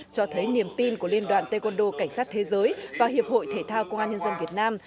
cho thấy niềm tin của liên đoàn taekwondo cảnh sát thế giới và hiệp hội thể thao công an nhân dân việt nam